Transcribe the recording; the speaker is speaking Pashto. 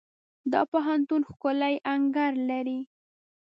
دا پوهنتون ښکلی انګړ لري.